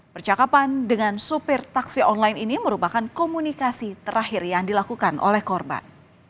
percakapan dengan supir taksi online ini merupakan komunikasi terakhir yang dilakukan oleh korban